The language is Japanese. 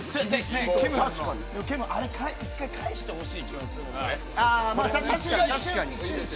あれ、１回返してほしい気がする。